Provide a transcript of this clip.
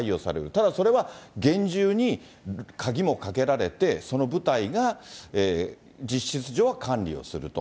ただ、それは厳重に鍵もかけられて、その部隊が実質上は管理をすると。